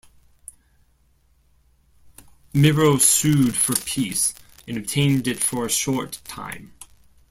Miro sued for peace, and obtained it for a short time.